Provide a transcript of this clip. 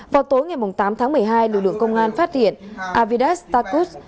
vào tối ngày tám tháng một mươi hai lực lượng công an phát hiện avidas tacus